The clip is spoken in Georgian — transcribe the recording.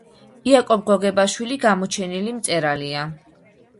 იაკობ გოგებაშვილი გამოჩენილი მწერალია